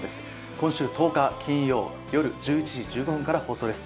今週１０日金曜よる１１時１５分から放送です。